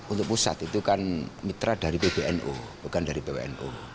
untuk pusat itu kan mitra dari pbnu bukan dari pwnu